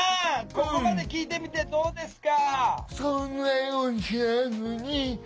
ここまで聞いてみてどうですか？